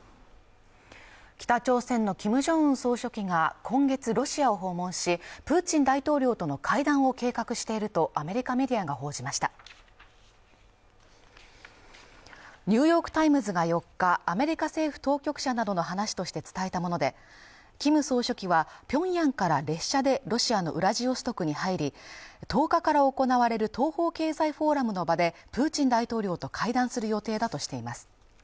北朝鮮のキム・ジョンウン総書記が今月ロシアを訪問しプーチン大統領との会談を計画しているとアメリカメディアが報じました「ニューヨーク・タイムズ」が４日アメリカ政府当局者などの話として伝えたものでキム総書記はピョンヤンから列車でロシアのウラジオストクに入り１０日から行われる東方経済フォーラムの場でプーチン大統領と会談する予定だとしています